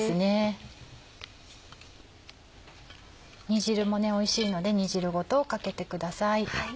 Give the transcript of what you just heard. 煮汁もおいしいので煮汁ごとかけてください。